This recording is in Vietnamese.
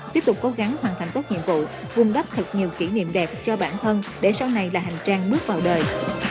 tiếp tục cố gắng hoàn thành tốt nhiệm vụ vun đắp thật nhiều kỷ niệm đẹp cho bản thân để sau này là hành trang bước vào đời